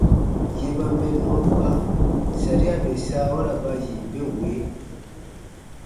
Yè ba mɛnnɔ kpa, saria bè saawara ba yi be wee: